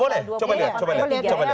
boleh coba lihat